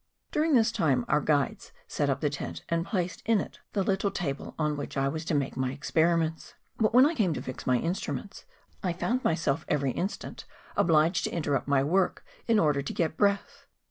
During this time our guides set up the tent and placed in it the little table on which 1 was to make my experiments. But when I came to fix my in¬ struments, I found myself every instant obliged to interrupt my work in order to get breath.